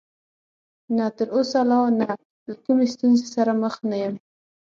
نه، تر اوسه لا نه، له کومې ستونزې سره مخ نه یم.